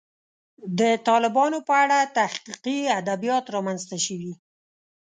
د طالبانو په اړه تحقیقي ادبیات رامنځته شوي.